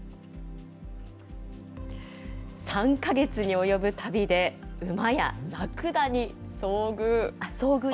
３か月に及ぶ旅で、馬やラクダに遭遇。